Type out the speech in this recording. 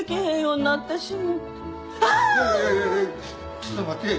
ちょっと待てぇ。